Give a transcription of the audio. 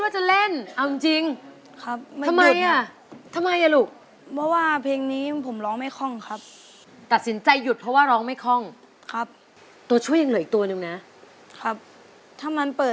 โจทเตอร์โจทเตอร์โจทเตอร์